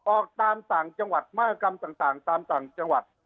ออกตามต่างจังหวัดมากรรมต่างตามต่างจังหวัด